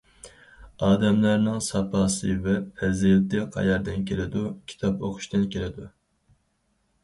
ئادەملەرنىڭ ساپاسى ۋە پەزىلىتى قەيەردىن كېلىدۇ؟ كىتاب ئوقۇشتىن كېلىدۇ.